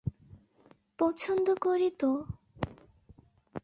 পছন্দ করি তো!